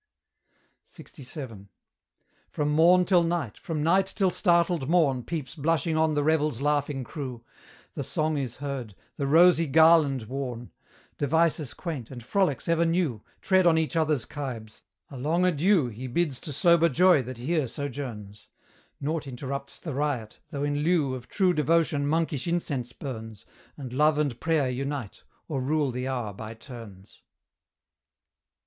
LXVII. From morn till night, from night till startled morn Peeps blushing on the revel's laughing crew, The song is heard, the rosy garland worn; Devices quaint, and frolics ever new, Tread on each other's kibes. A long adieu He bids to sober joy that here sojourns: Nought interrupts the riot, though in lieu Of true devotion monkish incense burns, And love and prayer unite, or rule the hour by turns.